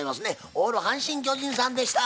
オール阪神・巨人さんでした。